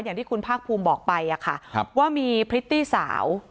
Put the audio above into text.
อย่างที่คุณภาคภูมิบอกไปค่ะว่ามีพริตตี้สาว